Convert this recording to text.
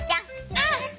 うん！